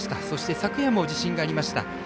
そして昨夜も地震がありました。